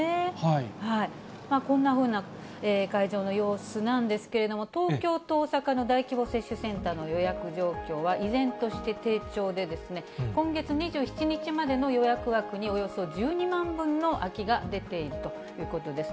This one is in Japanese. こんなふうな会場の様子なんですけれども、東京と大阪の大規模接種センターの予約状況は依然として低調で、今月２７日までの予約枠におよそ１２万分の空きが出ているということです。